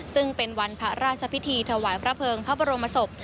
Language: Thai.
ซึ่งเป็นวันพระราชพิธีถวายพระเภิงพระบรมศพ